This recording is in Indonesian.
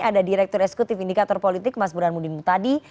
ada direktur esekutif indikator politik mas burhan mudin mutadi